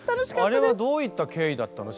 あれはどういった経緯だったの慎吾。